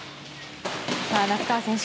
那須川選手